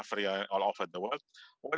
terutama di komponen lezat